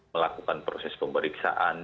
melakukan proses pemeriksaan